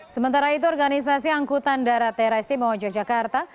sementara itu organisasi anggutan darat tri stimowo yogyakarta